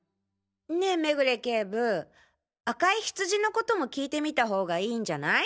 ねえ目暮警部赤いヒツジのことも聞いてみた方がいいんじゃない？